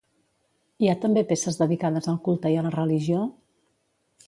Hi ha també peces dedicades al culte i a la religió?